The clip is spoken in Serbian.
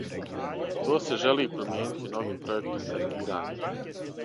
То се жели промијенити новим пројектом картирања.